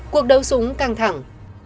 cuộc đấu súng căng thẳng